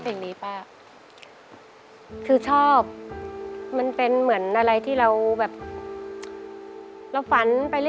ลูกแม่ยังสวยแม่เมืองใครจะร้ายต่อ